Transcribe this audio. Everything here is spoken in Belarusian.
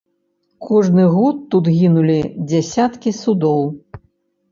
Кожны год тут гінулі дзясяткі судоў.